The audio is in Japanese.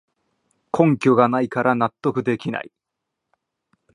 根拠がないから納得できない